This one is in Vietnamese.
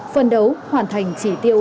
phần đấu hoàn thành chỉ tiêu